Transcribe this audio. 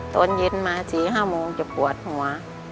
ตอนเย็นมา๔๕โมงจะปวดหัว